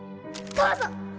どうぞ！